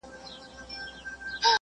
مېږي خور که شرمښکۍ ده که مرغان دي